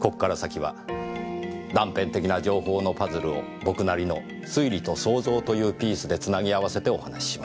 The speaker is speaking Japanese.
ここから先は断片的な情報のパズルを僕なりの推理と想像というピースで繋ぎ合わせてお話します。